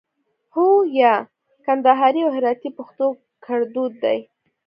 هو 👍 یا 👎 کندهاري او هراتي پښتو کړدود دی